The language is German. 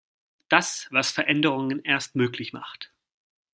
Das, was Veränderungen erst möglich macht.